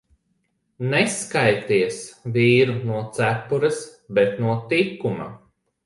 Neskaities vīru no cepures, bet no tikuma.